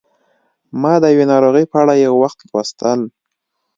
ما د یوې ناروغۍ په اړه یو وخت لوستل